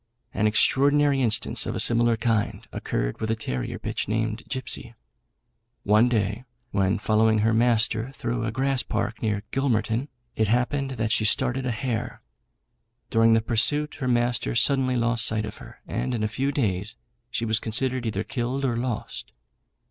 An extraordinary instance of a similar kind occurred with a terrier bitch, named Gipsy. One day, when following her master through a grass park near Gilmerton, it happened that she started a hare. During the pursuit her master suddenly lost sight of her, and in a few days she was considered either killed or lost.